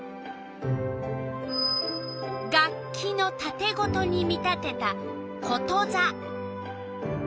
楽器のたてごとに見立てたことざ。